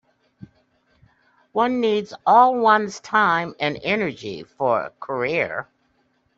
One needs all one's time and energy for a career.